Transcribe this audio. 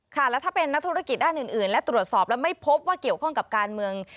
ค่ะแล้วถ้าเป็นนักธุรกิจด้านอื่นและตรวจสอบแล้วไม่พบว่าเกี่ยวข้องกับการเมือง